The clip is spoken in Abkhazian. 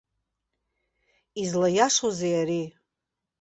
Излаиашоузеи ари?